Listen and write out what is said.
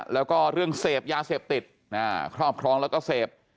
แล้วก็เรื่องเสพยาเสพติดครอบครองแล้วก็เสพ